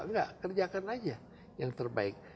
nggak kerjakan aja yang terbaik